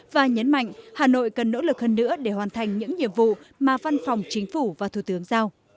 và nhấn mạnh hà nội cần nỗ lực hơn nữa để hoàn thành những nhiệm vụ mà văn phòng chính phủ và thủ tướng giao